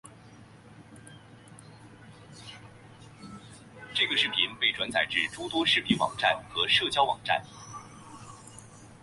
这个视频被转载至诸多视频网站和社交网站。